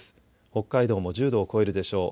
北海道も１０度を超えるでしょう。